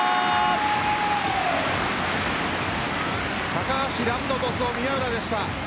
高橋藍のトスを宮浦でした。